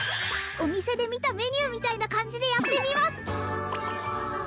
お店で見たメニューみたいな感じでやってみます